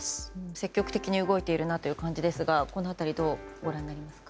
積極的に動いているなという感じですがこの辺りはどうご覧になりますか？